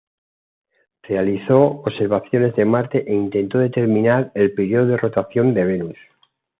Realizó observaciones de Marte e intentó determinar el periodo de rotación de Venus.